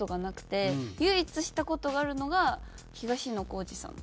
唯一した事があるのが東野幸治さん。